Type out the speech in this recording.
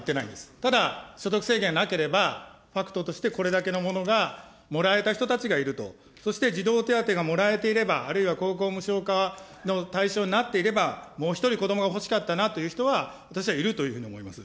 ただ所得制限なければ、ファクトとしてこれだけのものをもらえた人たちがいると、そして児童手当がもらえていれば、あるいは高校無償化の対象になっていれば、もう１人子どもが欲しかったなという人は私はいるというふうに思います。